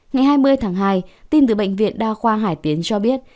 ngày hai mươi tháng hai tin từ bệnh viện đa khoa hải tiến cho biết